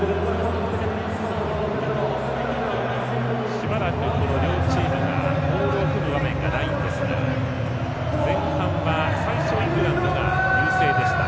しばらく両チームがモールを組む場面がないんですが前半は、最初はイングランドが優勢でした。